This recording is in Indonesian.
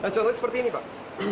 contohnya seperti ini pak